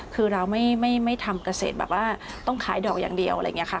คือเราไม่ทำเกษตรแบบว่าต้องขายดอกอย่างเดียวอะไรอย่างนี้ค่ะ